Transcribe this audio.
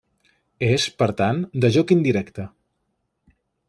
És, per tant, de joc indirecte.